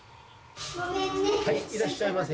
はいいらっしゃいませ。